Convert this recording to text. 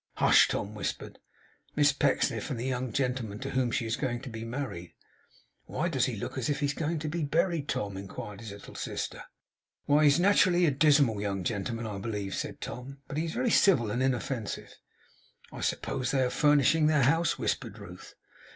'Hush!' Tom whispered. 'Miss Pecksniff, and the young gentleman to whom she is going to be married.' 'Why does he look as if he was going to be buried, Tom?' inquired his little sister. 'Why, he is naturally a dismal young gentleman, I believe,' said Tom 'but he is very civil and inoffensive.' 'I suppose they are furnishing their house,' whispered Ruth.